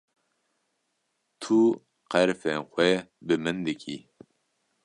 Tu qerfên xwe bi min dikî?